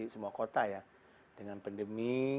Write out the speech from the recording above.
semua kota ya dengan pandemi